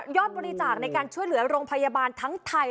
บริจาคในการช่วยเหลือโรงพยาบาลทั้งไทย